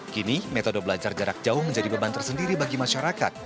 kini metode belajar jarak jauh menjadi beban tersendiri bagi masyarakat